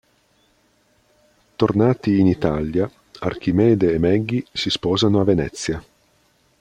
Tornati in Italia, Archimede e Maggie si sposano a Venezia.